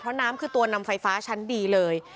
เพราะน้ำคือตัวนำไฟฟ้าชั้นดีเลย